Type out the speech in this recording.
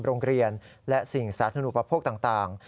โรงเรียนและสิ่งสาธุปโภคต่าง